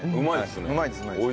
うまいですね。